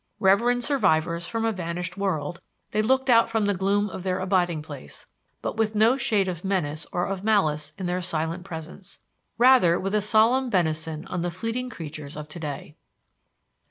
Reverend survivors from a vanished world, they looked out from the gloom of their abiding place, but with no shade of menace or of malice in their silent presence; rather with a solemn benison on the fleeting creatures of to day.